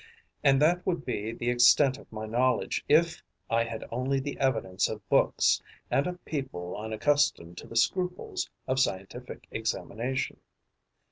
And that would be the extent of my knowledge if I had only the evidence of books and of people unaccustomed to the scruples of scientific examination.